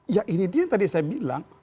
ya ini dia yang tadi saya bilang